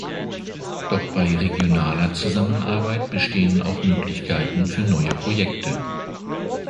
Doch bei regionaler Zusammenarbeit bestehen auch Möglichkeiten für neue Projekte.